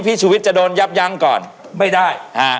พี่ชุวิตจะโดนยับยังก่อนพี่วิทย์ไม่ได้